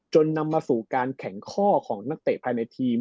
นำมาสู่การแข็งข้อของนักเตะภายในทีม